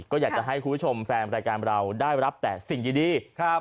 ก็อยากจะให้คุณผู้ชมแฟนรายการเราได้รับแต่สิ่งดีครับ